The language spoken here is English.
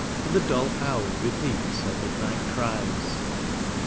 And the dull owl repeats her midnight cries.